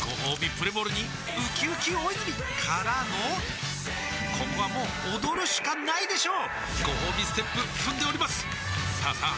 プレモルにうきうき大泉からのここはもう踊るしかないでしょうごほうびステップ踏んでおりますさあさあ